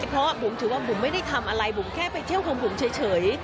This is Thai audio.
เพราะบุ๋มถือว่าบุ๋มไม่ได้ทำอะไรบุ๋มแค่ไปเที่ยวของบุ๋มเฉย